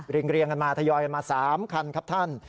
เรียงกันมาทยอยมา๓คันครับท่าน